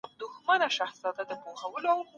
ایا استدلال د علم لپاره اړین شرط دی؟